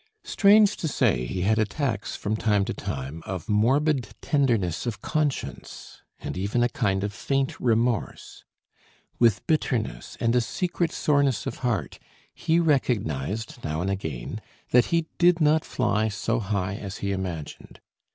Strange to say, he had attacks from time to time of morbid tenderness of conscience and even a kind of faint remorse. With bitterness and a secret soreness of heart he recognised now and again that he did not fly so high as he imagined.